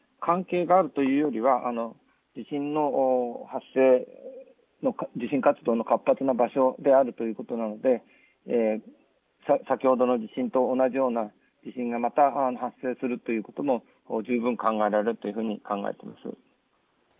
ですので関係があるというよりは地震の活動の活発な場所であるということなので先ほどの地震と同じような地震がまた発生することも十分考えられるというふうに考えています。